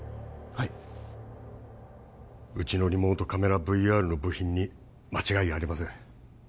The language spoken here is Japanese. はいうちのリモートカメラＶＲの部品に間違いありません